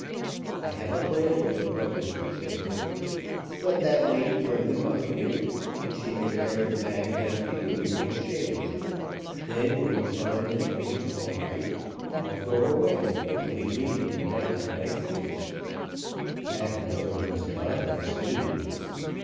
"I have a plan to propose," said Dick. "Let that lady bring them up to me, and she may carry the bag down to you in exchange. Then, when you find that it is all right, all go away and leave me to come down when I please." That, however, was not his scheme.